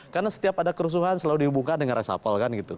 karena setiap ada kerusuhan selalu dihubungkan dengan resapel kan gitu